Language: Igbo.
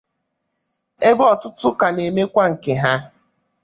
ebe ọtụtụ ka na-emekwa nke ha